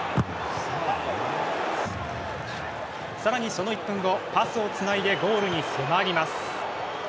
さらに、その１分後パスをつないでゴールに迫ります。